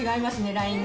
ラインが。